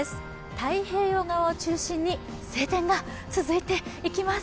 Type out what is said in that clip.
太平洋側を中心に晴天が続いていきます。